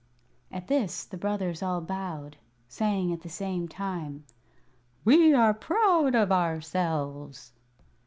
At this the Brothers all bowed, saying at the same time: "We are proud of ourselves!"